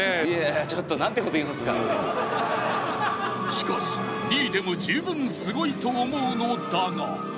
しかし２位でも十分すごいと思うのだが。